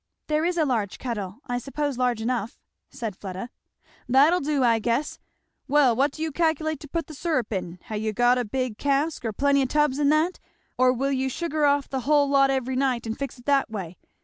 "There is a large kettle I suppose large enough," said Fleda. "That'll do, I guess. Well what do you calculate to put the syrup in ha' you got a good big cask, or plenty o' tubs and that? or will you sugar off the hull lot every night and fix it that way?